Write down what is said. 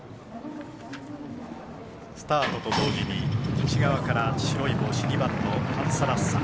スタートと同時に内側の白い帽子、２番のパンサラッサ。